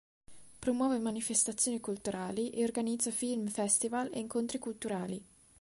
Promuove manifestazioni culturali e organizza film festival e incontri culturali.